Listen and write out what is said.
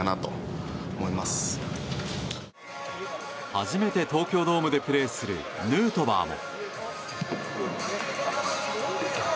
初めて東京ドームでプレーするヌートバーも。